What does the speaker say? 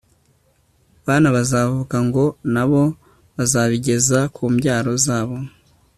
bana bazavuka, ngo na bo bazabigeze ku mbyaro zabo